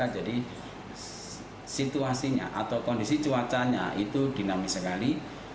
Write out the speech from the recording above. jadi situasinya atau kondisi cuacanya itu dinamis sekali